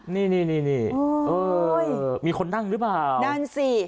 นี่มีคนนั่งหรือเปล่านั่นสิ